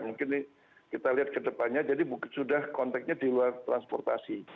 mungkin ini kita lihat ke depannya jadi sudah konteknya di luar transportasi